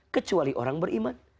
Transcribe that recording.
kecuali orang beriman